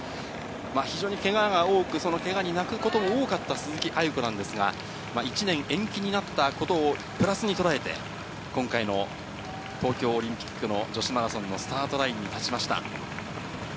非常にけがが多く、そのけがに泣くことも多かった鈴木亜由子なんですが、１年延期になったことをプラスに捉えて、今回の東京オリンピックの女子マラソンのスタートラインに立ちました。